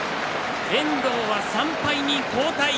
遠藤は３敗に後退。